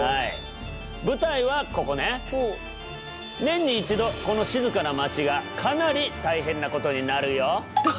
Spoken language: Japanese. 年に一度この静かな街がかなり大変なことになるよ。